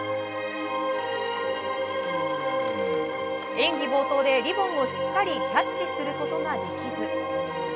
演技冒頭で、リボンをしっかりキャッチすることができず。